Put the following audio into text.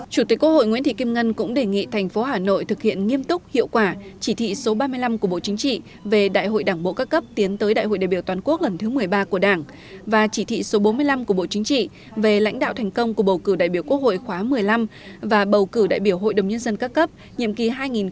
chủ tịch quốc hội nguyễn thị kim ngân cũng đề nghị thành phố hà nội thực hiện nghiêm túc hiệu quả chỉ thị số ba mươi năm của bộ chính trị về đại hội đảng bộ các cấp tiến tới đại hội đại biểu toàn quốc lần thứ một mươi ba của đảng và chỉ thị số bốn mươi năm của bộ chính trị về lãnh đạo thành công của bầu cử đại biểu quốc hội khóa một mươi năm và bầu cử đại biểu hội đồng nhân dân các cấp nhiệm kỳ hai nghìn một mươi sáu hai nghìn hai mươi sáu